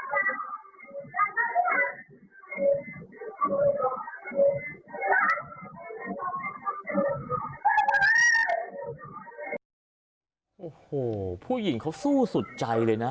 โอ้โหผู้หญิงเขาสู้สุดใจเลยนะ